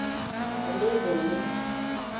Alee-bo le.